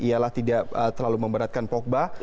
ialah tidak terlalu memberatkan pogba